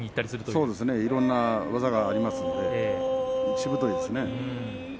いろんな技がありますので、しぶといですね。